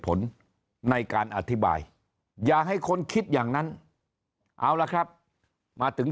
ผลในการอธิบายอย่าให้คนคิดอย่างนั้นเอาละครับมาถึง